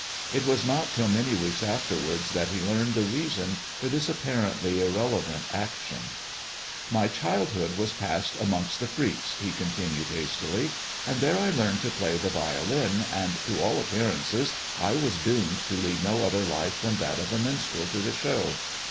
It Was not till many weeks afterwards that he learned the reaaott for this apparently irrelevant action. •^ My childhood was passed amongst the freaks," he oCMIp.^ tinned hastily, " and there I learned to play the violin, anilT to all appearance I was doomed to lead no other life fhuk ■ that of a minstrel to the show.